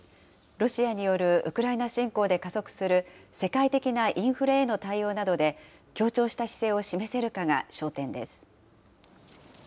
ロシアによるウクライナ侵攻で加速する世界的なインフレへの対応などで、協調した姿勢を示せるかが焦点です。